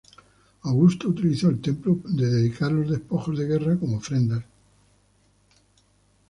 Augusto utilizó el templo de dedicar los despojos de guerra como ofrendas.